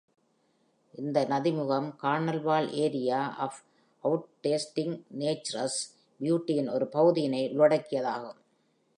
இந்த நதிமுகம், Cornwall area of outstanding natural பியூட்டியின் ஒரு பகுதியினை உள்ளடக்கியதாகும்.